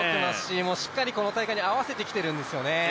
しっかりこの大会に合わせてきているんですよね。